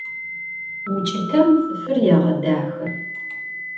Vuç'ıtem ts'ıfır yêğedaxe.